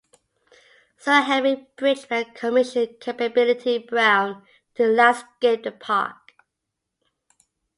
Sir Henry Bridgeman commissioned Capability Brown to landscape the park.